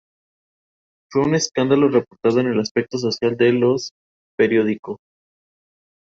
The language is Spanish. Tiene forma de abanico, a partir del ayuntamiento.